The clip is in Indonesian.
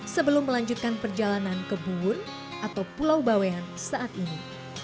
sebelum melanjutkan perjalanan ke buwun atau pulau bawean saat ini